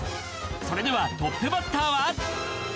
それではトップバッターは。